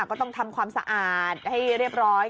ก็ต้องทำความสะอาดให้เรียบร้อย